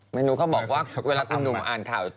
ไม่รู้เขาบอกว่าเวลาคุณหนุ่มอ่านข่าว